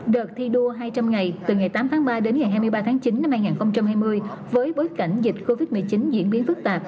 đợt thi đua hai trăm linh ngày từ ngày tám tháng ba đến ngày hai mươi ba tháng chín năm hai nghìn hai mươi với bối cảnh dịch covid một mươi chín diễn biến phức tạp